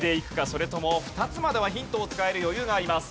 それとも２つまではヒントを使える余裕があります。